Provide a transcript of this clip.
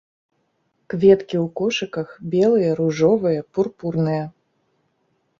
Кветкі ў кошыках белыя, ружовыя, пурпурныя.